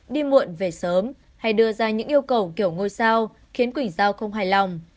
đi muộn về sớm hay đưa ra những yêu cầu kiểu ngôi sao khiến quỷ giao không hài lòng